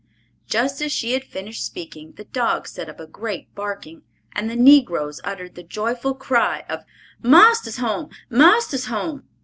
Just as she had finished speaking, the dogs set up a great barking, and the negroes uttered the joyful cry of "Marster's come! Marster's come!"